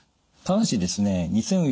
ただしですね